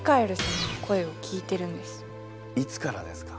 いつからですか？